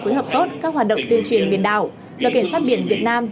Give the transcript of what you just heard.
phối hợp tốt các hoạt động tuyên truyền biển đảo và cảnh sát biển việt nam